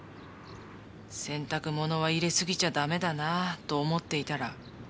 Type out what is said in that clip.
洗濯物は入れすぎちゃダメだなと思っていたら。